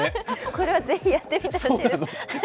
これはぜひやってみてほしいです。